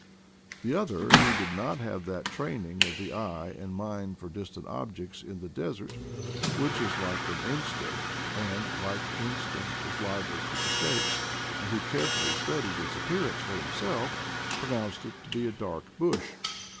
The other, who did not have that training of the eye and mind for distant objects in the desert, which is like an instinct, and, like instinct, is liable to mistakes, and who carefully studied its appearance for himself, pronounced it to be a dark bush.